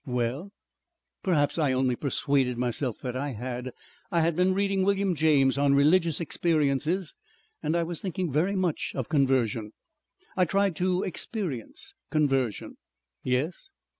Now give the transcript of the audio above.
"Well?" "Perhaps I only persuaded myself that I had. I had been reading William James on religious experiences and I was thinking very much of Conversion. I tried to experience Conversion...." "Yes?"